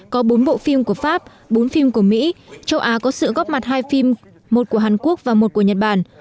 có bốn bộ phim của pháp bốn phim của mỹ châu á có sự góp mặt hai phim một của hàn quốc và một của nhật bản